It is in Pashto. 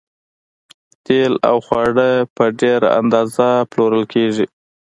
تیل او خواړه په ډیره اندازه پلورل کیږي